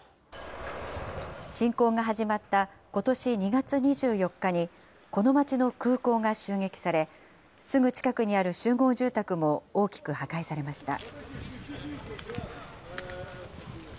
侵攻が始まったことし２月２４日に、この町の空港が襲撃され、すぐ近くにある集合住宅も大きく破壊されました。